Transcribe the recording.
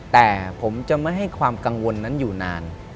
แต่ผมจะไม่ให้ความกังวลนั้นอยู่นาน